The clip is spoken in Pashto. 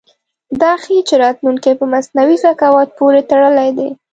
دا ښيي چې راتلونکی په مصنوعي ذکاوت پورې تړلی دی.